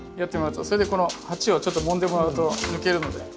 それでこの鉢をちょっともんでもらうと抜けるので。